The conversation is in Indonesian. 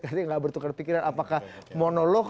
tadi nggak bertukar pikiran apakah monolog